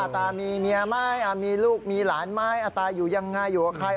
ตามีเมียไหมมีลูกมีหลานไหมอาตาอยู่ยังไงอยู่กับใคร